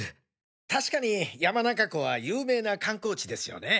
確かに山中湖は有名な観光地ですよね。